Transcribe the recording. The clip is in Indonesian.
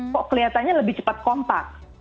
kok kelihatannya lebih cepat kompak